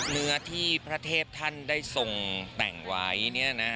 เนื้อที่พระเทพท่านได้ทรงแต่งไว้